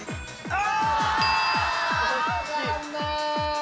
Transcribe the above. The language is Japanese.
あ！